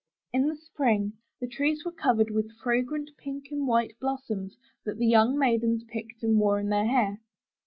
In the Spring, the trees were covered with fragrant pink and white blos soms that the young maidens picked and wore in their hair.